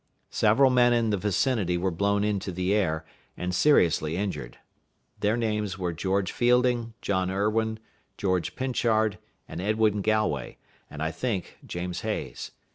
Several men in the vicinity were blown into the air, and seriously injured. Their names were George Fielding, John Irwin, George Pinchard, and Edwin Galway, and, I think, James Hayes.